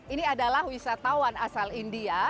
ini adalah wisatawan asal india